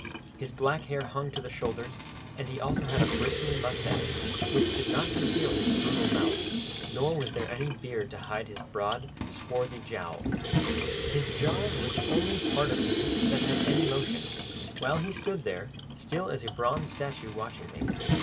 His black hair hung to his shoulders, and he also had a bristly moustache, which did not conceal his brutal mouth, nor was there any beard to hide his broad, swarthy jowl. His jaws were the only part of him that had any motion, while he stood there, still as a bronze statue, watching me.